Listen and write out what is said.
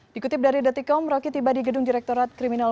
dikutip dari dati com roky tiba di gedung direktorat kriminal